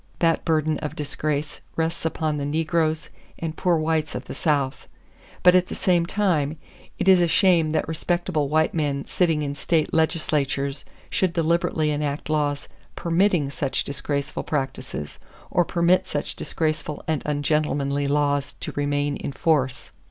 That burden of disgrace rests upon the negroes and poor whites of the South; but at the same time, it is a shame that respectable white men sitting in state legislatures should deliberately enact laws permitting such disgraceful practices, or permit such disgraceful and ungentlemanly laws to remain in force!